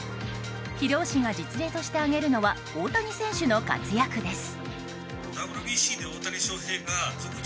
広尾氏が実例として挙げるのは大谷選手の活躍です。